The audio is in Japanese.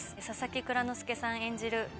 佐々木蔵之介さん演じる